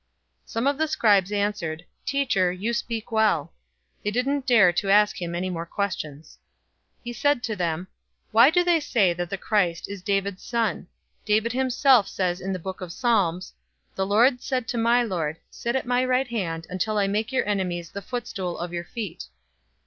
020:039 Some of the scribes answered, "Teacher, you speak well." 020:040 They didn't dare to ask him any more questions. 020:041 He said to them, "Why do they say that the Christ is David's son? 020:042 David himself says in the book of Psalms, 'The Lord said to my Lord, "Sit at my right hand, 020:043 until I make your enemies the footstool of your feet."'